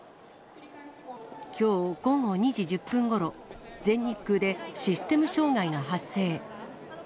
きょう午後２時１０分ごろ、全日空でシステム障害が発生。